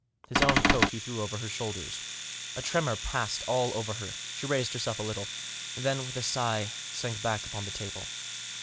His own coat he threw over her shoulders. A tremor passed all over her ; she raised herself a little ; then, with a sigh, sank back upon the table.